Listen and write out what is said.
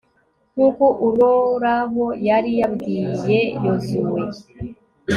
nk'uko uroraho yari yabibwiye yozuwe